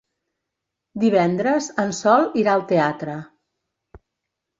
Divendres en Sol irà al teatre.